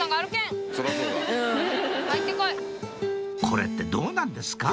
これってどうなんですか？